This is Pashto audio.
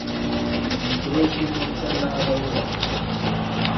په میترو کې مو څه لاره و وهله.